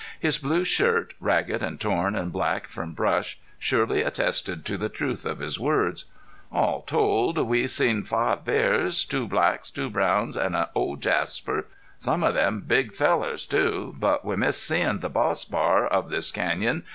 His blue shirt, ragged and torn and black from brush, surely attested to the truth of his words. "All told we seen five bars. Two blacks, two browns an' the old Jasper. Some of them big fellars, too. But we missed seein' the boss bar of this canyon.